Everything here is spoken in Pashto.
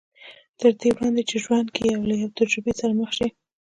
تر دې وړاندې چې په ژوند کې له يوې تجربې سره مخ شي.